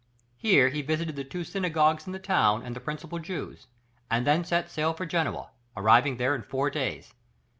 Here he visited the two synagogues in the town and the principal Jews, and then set sail for Genoa, arriving there in four days.